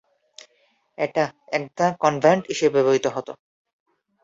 এটা একদা কনভেন্ট হিসেবে ব্যবহৃত হত।